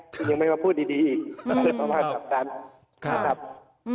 คุณยังไม่มาพูดดีอีกอำนาจอำนาจจำกัน